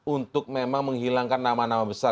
untuk memang menghilangkan nama nama besar